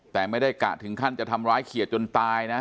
แต่ไม่ได้กะถึงขั้นจะทำร้ายเขียดจนตายนะ